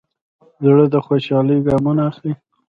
زړه د خوشحالۍ ګامونه اخلي.